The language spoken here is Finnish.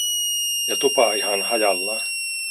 Ja tupa ihan hajallaan.